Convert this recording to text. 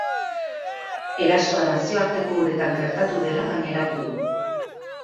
Erasoa nazioarteko uretan gertatu dela gaineratu du.